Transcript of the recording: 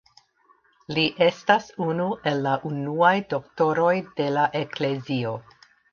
Li estas unu el la unuaj Doktoroj de la Eklezio.